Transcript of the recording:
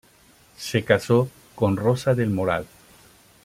Se casó con Rosa del Moral.